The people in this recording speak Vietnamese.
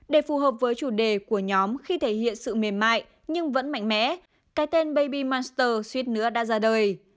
để phù hợp với chủ đề của nhóm khi thể hiện sự mềm mại nhưng vẫn mạnh mẽ cái tên baby manster suýt nữa đã ra đời